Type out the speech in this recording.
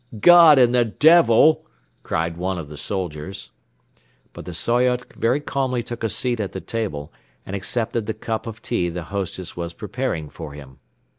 "God and the Devil!" cried one of the soldiers. But the Soyot very calmly took a seat at the table and accepted the cup of tea the hostess was preparing for him.